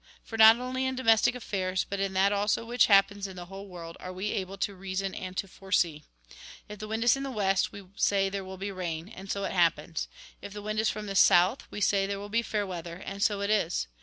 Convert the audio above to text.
For not only in domestic affairs, but in that also which happens in the whole world, are we able to reason and to foresee. If the wind is in the west, we say there will be rain, and so it happens. But if the wind is from the south, we say there will be fair weather, and so it is.